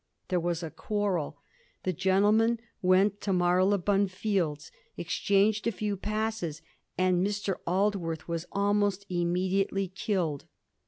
There was a quarrel, the gentlemen went to Marylebone Fields, exchanged a few passes, and Mr. Aldworth was almost immediately killed.